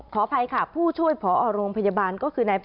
ขออภัยค่ะผู้ช่วยผอโรงพยาบาลก็คือนาย